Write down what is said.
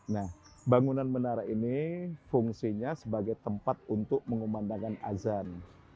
nah bangunan menara ini fungsinya sebagai tempat untuk mengumandangkan azan